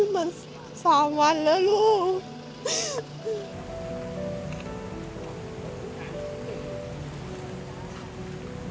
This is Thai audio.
มา๓วันแล้วลูก